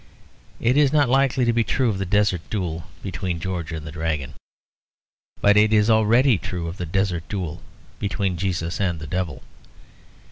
It is not likely to be true of the desert duel between George and the Dragon; but it is already true of the desert duel between Jesus and the Devil.